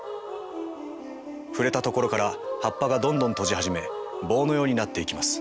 触れたところから葉っぱがどんどん閉じ始め棒のようになっていきます。